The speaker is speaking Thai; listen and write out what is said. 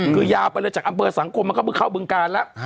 คือยาวไปเลยจากอำเภอสังคมมันก็เพิ่งเข้าบึงการแล้ว